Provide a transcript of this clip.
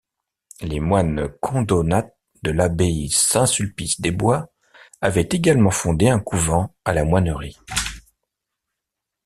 Les moines Condonats de l'abbaye Saint-Sulpice-des-Bois avaient également fondé un couvent à La Moinerie.